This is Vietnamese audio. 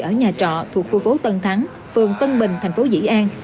ở nhà trọ thuộc khu phố tân thắng phường tân bình thành phố dĩ an